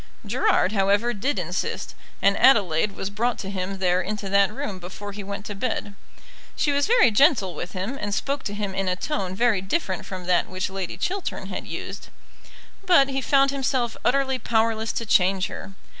Gerard, however, did insist, and Adelaide was brought to him there into that room before he went to bed. She was very gentle with him, and spoke to him in a tone very different from that which Lady Chiltern had used; but he found himself utterly powerless to change her.